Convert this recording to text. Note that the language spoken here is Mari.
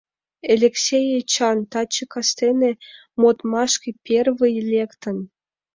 Элексей Эчан таче кастене модмашке первый лектын.